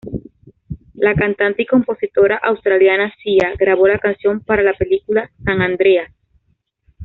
La cantante y compositora australiana Sia, grabó la canción para la película "San Andreas.